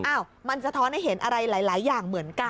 มันสะท้อนให้เห็นอะไรหลายอย่างเหมือนกัน